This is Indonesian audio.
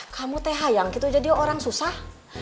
kamu teh hayang gitu jadi orang susah